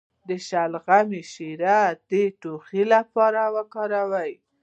د شلغم شیره د ټوخي لپاره وکاروئ